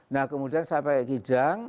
nah kemudian saya pakai kijang